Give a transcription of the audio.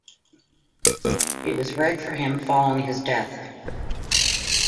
It was read for him following his death.